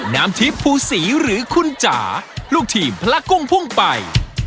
น้ำทิพย์ภูศรีหรือคุณจ๋าลูกทีมพระกุ้งพุ่งไป